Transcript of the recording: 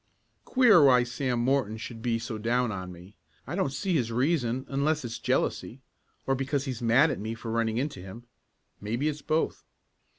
"Queer why Sam Morton should be so down on me. I don't see his reason unless it's jealousy, or because he's mad at me for running into him. Maybe it's both.